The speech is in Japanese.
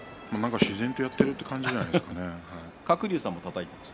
自然とやっている感じじゃないですかね。